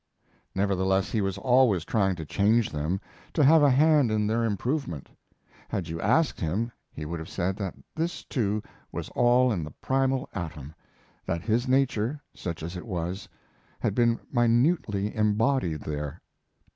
Nevertheless, he was always trying to change them; to have a hand in their improvement. Had you asked him, he would have said that this, too, was all in the primal atom; that his nature, such as it was, had been minutely embodied there.